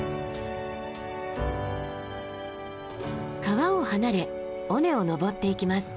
川を離れ尾根を登っていきます。